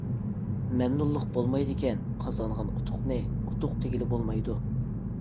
مەمنۇنلۇق بولمايدىكەن، قازانغان ئۇتۇقنى ئۇتۇق دېگىلى بولمايدۇ.